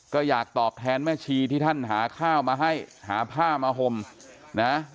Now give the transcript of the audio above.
ก็อยากตอบแทนแม่ชีที่ท่านหาข้าวมาให้หาผ้ามาห่มนะ